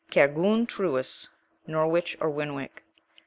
Cair guin truis (Norwich, or Winwick).